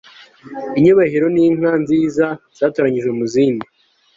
inyubahiro n'inka nziza zatoranyijwe mu zindi